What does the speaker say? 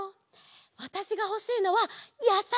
わたしがほしいのはやさいなの。